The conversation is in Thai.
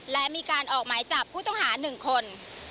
และมีการออกหมายจับผู้ต้องหา๑คน